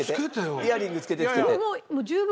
イヤリングつけてつけて。